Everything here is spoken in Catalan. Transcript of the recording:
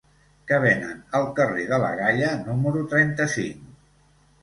Què venen al carrer de la Galla número trenta-cinc?